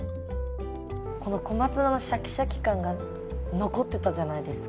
この小松菜のシャキシャキ感が残ってたじゃないですか。